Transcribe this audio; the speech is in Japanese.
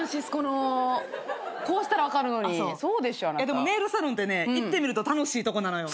でもネイルサロンってね行ってみると楽しいとこなのよ。